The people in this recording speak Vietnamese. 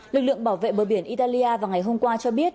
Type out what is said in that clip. lực lượng bảo vệ bờ biển italia vào ngày hôm qua cho biết